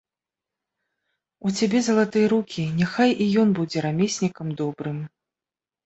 У цябе залатыя рукі, няхай і ён будзе рамеснікам добрым.